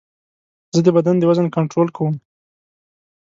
زه د بدن د وزن کنټرول کوم.